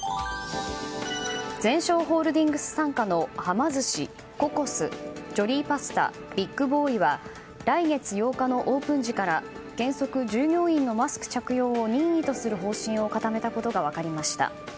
ゼンショーホールディングス傘下の、はま寿司ココス、ジョリーパスタビッグボーイは来月８日のオープン時から原則、従業員のマスク着用を任意とする方針を固めたことが分かりました。